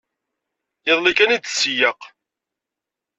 Iḍelli kan i d-tseyyeq.